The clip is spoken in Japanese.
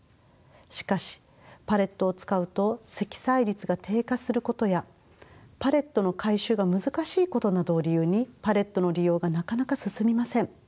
しかしパレットを使うと積載率が低下することやパレットの回収が難しいことなどを理由にパレットの利用がなかなか進みません。